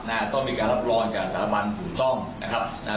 นะฮะต้องมีการรับรองจากสรรพันธุ์ผู้ต้องนะครับนะฮะ